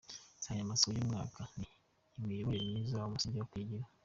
Insanganyamatsiko y’uyu mwaka ni “Imiyoborere Myiza: Umusingi wo kwigira.